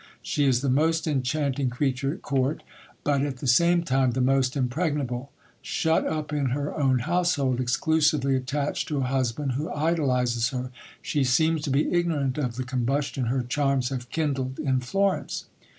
She is the most enchanting creature at court ; out at the same time the most impregnable. Shut up in her own household, exclusively attached to a husband who idolizes her, she seems to be ignorant of 1 he combustion her charms have kindled in Florence.